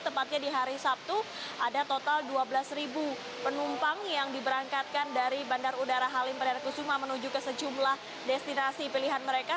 tepatnya di hari sabtu ada total dua belas penumpang yang diberangkatkan dari bandar udara halim perdana kusuma menuju ke sejumlah destinasi pilihan mereka